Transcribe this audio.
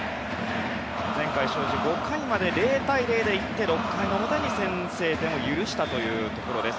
前回、荘司５回まで０対０で行って６回の表で先制点を許したというところです。